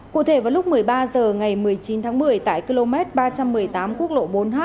cụ thể vào lúc một mươi ba h ngày một mươi chín tháng một mươi tại km ba trăm một mươi tám quốc lộ bốn h